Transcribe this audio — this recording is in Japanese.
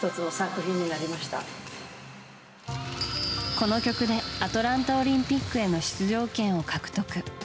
この曲でアトランタオリンピックへの出場権を獲得。